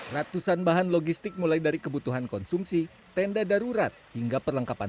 ratusan bahan logistik mulai dari kebutuhan konsumsi tenda darurat hingga perlengkapan